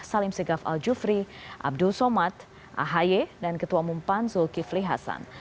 salim segaf al jufri abdul somad ahi dan ketua umum pan zulkifli hasan